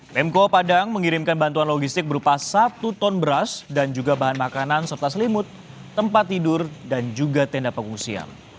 pemko padang mengirimkan bantuan logistik berupa satu ton beras dan juga bahan makanan serta selimut tempat tidur dan juga tenda pengungsian